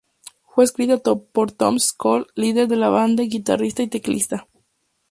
Fue escrita por Tom Scholz, líder de la banda, guitarrista y teclista.